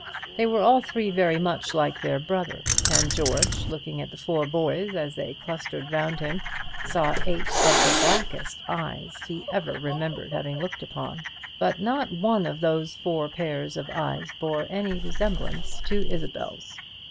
They were all three very much like their brother; and George, looking at the four boys as they clustered round him, saw eight of the blackest eyes he ever remembered having looked upon; but not one of those four pairs of eyes bore any resemblance to Isabel's.